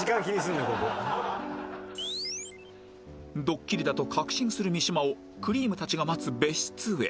ドッキリだと確信する三島をくりぃむたちが待つ別室へ